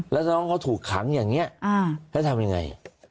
แล้วน้องเขาถูกขังอย่างนี้แล้วทำยังไง